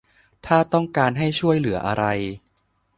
ถ้าต้องการให้ช่วยเหลืออะไร